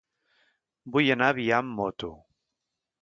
Vull anar a Biar amb moto.